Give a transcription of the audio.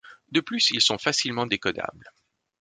De plus, ils sont facilement décodables.